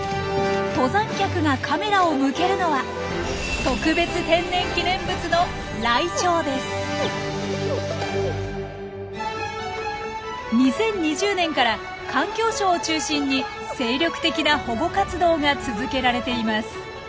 登山客がカメラを向けるのは２０２０年から環境省を中心に精力的な保護活動が続けられています。